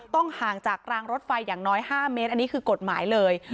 ห่างจากรางรถไฟอย่างน้อย๕เมตรอันนี้คือกฎหมายเลย